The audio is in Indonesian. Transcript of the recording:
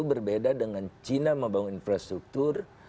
berbeda dengan cina membangun infrastruktur